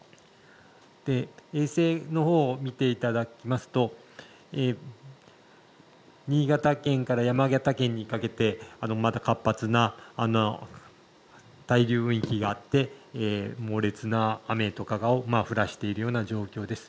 衛星の方を見ていただきますと新潟県から山形県にかけてまた活発な対流域があって猛烈な雨などを降らせている状況です。